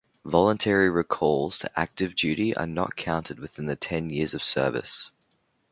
Voluntary recalls to active duty are not counted within the ten years of service.